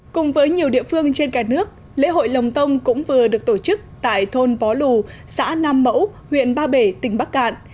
cùng với nhiều địa phương trên cả nước lễ hội lồng tông cũng vừa được tổ chức tại thôn bó lù xã nam mẫu huyện ba bể tỉnh bắc cạn